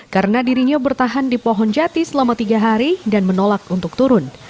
karena dirinya bertahan di pohon jati selama tiga hari dan menolak untuk turun